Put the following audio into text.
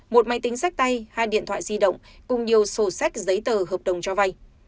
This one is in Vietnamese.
một máy tính sách tay hai điện thoại di động cùng nhiều sổ sách giấy tờ hợp đồng cho vay